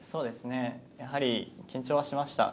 やはり緊張はしました。